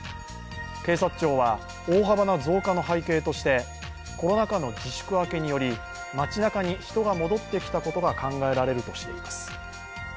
警察庁は、大幅な増加の背景としてコロナ禍の自粛明けにより町なかに人が戻ってきたことが考えられるとしています。